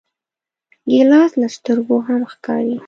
ګیلاس له سترګو هم ښکاري.